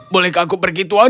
bolehkah aku pergi tuan